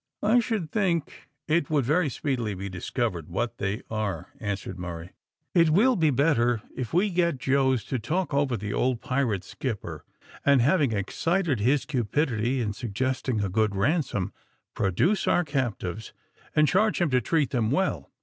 "I should think it would very speedily be discovered what they are," answered Murray. "It will be better if we get Jos to talk over the old pirate skipper, and having excited his cupidity in suggesting a good ransom, produce our captives, and charge him to treat them well.